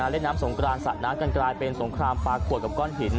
เล่นน้ำสงกรานสระน้ำกันกลายเป็นสงครามปลาขวดกับก้อนหิน